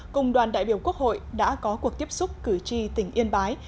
cùng đoàn đại biểu quốc hội đã có cuộc tiếp xúc cử tri tỉnh yên bái